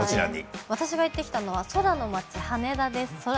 私が行ってきたのは空の町、羽田です。